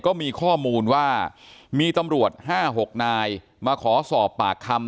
ก็มีข้อมูลว่ามีตำรวจ๕๖นายมาขอสอบปากคำ